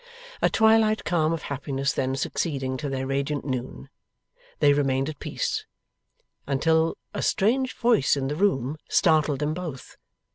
A twilight calm of happiness then succeeding to their radiant noon, they remained at peace, until a strange voice in the room startled them both.